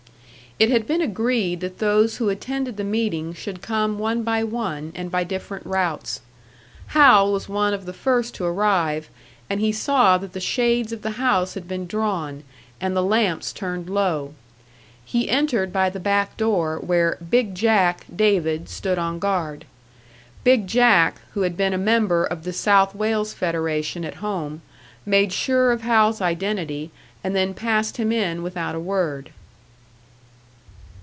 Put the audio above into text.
It had been agreed that those who attended the meeting should come one by one, and by different routes. Hal was one of the first to arrive, and he saw that the shades of the house had been drawn, and the lamps turned low. He entered by the back door, where "Big Jack" David stood on guard. "Big Jack," who had been a member of the South Wales Federation at home, made sure of Hal's identity, and then passed him in without a word.